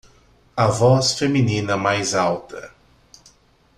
A voz feminina mais alta